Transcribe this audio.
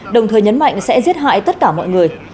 đồng thời nhấn mạnh sẽ giết hại tất cả mọi người